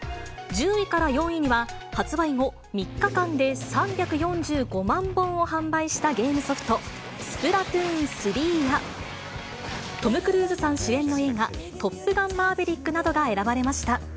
１０位から４位には、発売後、３日間で３４５万本を販売したゲームソフト、スプラトゥーン３、トム・クルーズさん主演の映画、トップガンマーヴェリックなどが選ばれました。